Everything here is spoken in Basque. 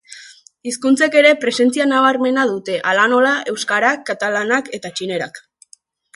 Hizkuntzek ere presentzia nabarmena dute, hala nola euskarak, katalanak eta txinerak.